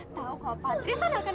tau kalau patristan akan